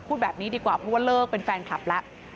พูดแบบนี้ดีกว่าเพราะว่าเลิกเป็นแฟนคลับแล้ว